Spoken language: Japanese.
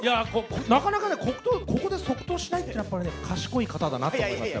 なかなかね、ここで即答しないっていうのは、やっぱりね、賢い方だなと思いました、